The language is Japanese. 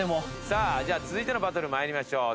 さあでは続いてのバトル参りましょう。